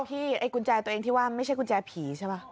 ไอ้กุญแจตัวเองที่ว่าไม่ใช่กุญแจผีใช่ป่ะ